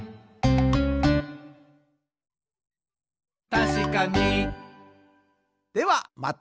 「たしかに！」ではまた。